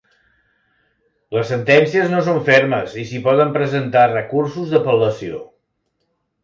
Les sentències no són fermes i s’hi poden presentar recursos d’apel·lació.